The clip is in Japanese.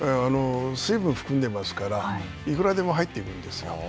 水分を含んでますから、幾らでも入っていくんですよ。